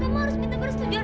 kamu harus minta bersetujuan